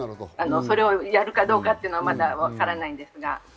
それをやるかどうかはまだわからないですが。